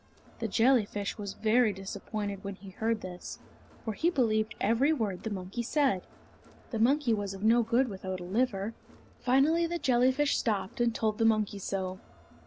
The jellyfish was very disappointed when he heard this, for he believed every word the monkey said. The monkey was of no good without a liver. Finally the jellyfish stopped and told the monkey so.